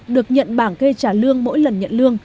được nhận bảng gây trả lương mỗi lần nhận lương